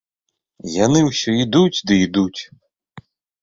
Яны ўсё ідуць ды ідуць.